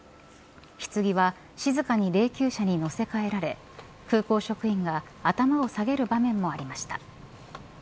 ひつぎは静かに霊きゅう車に乗せ換えられ空港職員が頭を下げる場面もありました。